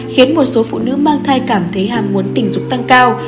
khiến một số phụ nữ mang thai cảm thấy hàm muốn tình dục tăng cao